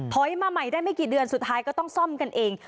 มาใหม่ได้ไม่กี่เดือนสุดท้ายก็ต้องซ่อมกันเอง